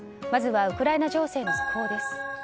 まずはウクライナ情勢の速報です。